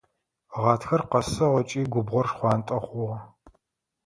Гъатхэр къэсыгъ ыкӏи губгъор шхъуантӏэ хъугъэ.